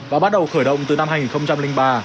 và bắt đầu khởi động từ năm hai nghìn ba